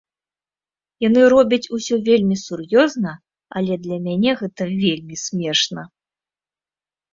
Яны робяць усё вельмі сур'ёзна, але для мяне гэта вельмі смешна.